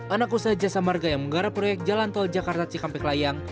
anak usaha jasa marga yang menggarap proyek jalan tol jakarta cikampek layang